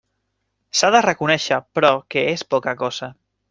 S'ha de reconéixer, però, que és poca cosa.